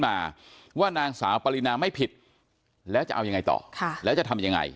มาว่านางสาวปรินาไม่ผิดแล้วจะเอายังไงต่อค่ะแล้วจะทำยังไง